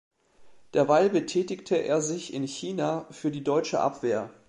Derweil betätigte er sich in China für die deutsche Abwehr.